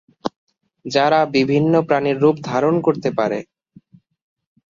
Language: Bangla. যারা বিভিন্ন প্রাণীর রুপ ধারণ করতে পারে।